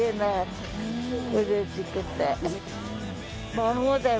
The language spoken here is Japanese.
孫だよ！